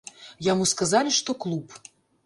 Яму сказалі, што клуб.